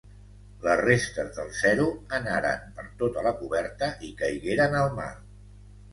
Les restes del Zero anaren per tota la coberta i caigueren al mar.